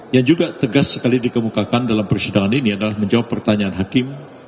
yang juga tegas sekali dikemukakan dalam persidangan ini adalah menjawab pertanyaan hakim